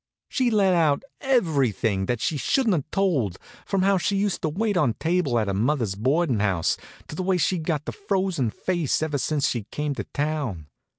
She let out everything that she shouldn't have told, from how she used to wait on table at her mother's boarding house, to the way she'd got the frozen face ever since she came to town.